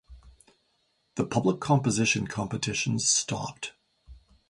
The public composition competitions stopped.